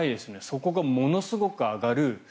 そこがものすごく上がる。